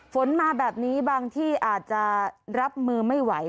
ฝนมาแบบนี้บางที่อาจจะรับมือไม่ไหว